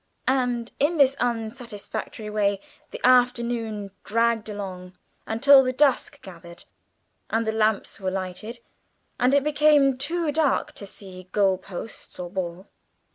And in this unsatisfactory way the afternoon dragged along until the dusk gathered and the lamps were lighted, and it became too dark to see goal posts or ball.